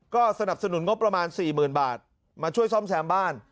ก็สนับสนุนงบประมาณ๔๐๐๐บาทมาช่วยซ่อมแซมบ้าน